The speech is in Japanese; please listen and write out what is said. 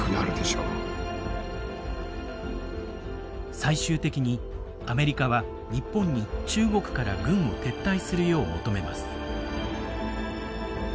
最終的にアメリカは日本に中国から軍を撤退するよう求めます。